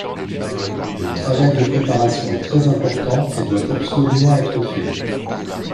Le travail de préparation est très important et doit absolument être fait